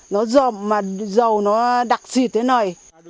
nó rộm mà dầu nó đặc xịt thế này